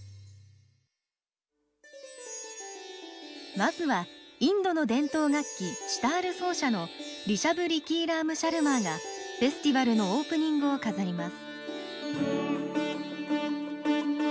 まずはインドの伝統楽器シタール奏者のリシャブ・リキーラーム・シャルマーがフェスティバルのオープニングを飾ります。